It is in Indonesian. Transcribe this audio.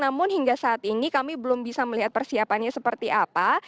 namun hingga saat ini kami belum bisa melihat persiapannya seperti apa